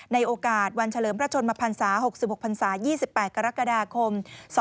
ในโอกาสวันเฉลิมพระชนมพันศา๖๖พันศา๒๘กรกฎาคม๒๕๖